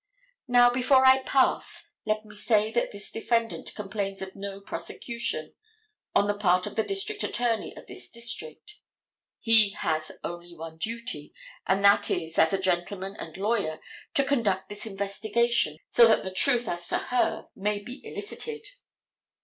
Now, before I pass, let me say that this defendant complains of no prosecution on the part of the district attorney of this district. He has only one duty, and that is, as a gentleman and lawyer, to conduct this investigation so that the truth as to her may be elicited.